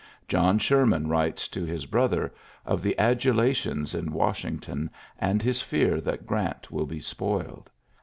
John Sherman writes to his brother of the adulations in Washington, and his fear that Grant will be spoiled.